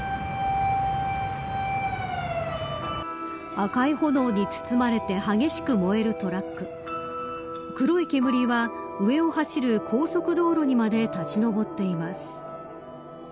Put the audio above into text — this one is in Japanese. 赤い炎に包まれて激しく燃えるトラック黒い煙は上を走る高速道路にまで立ち上っています。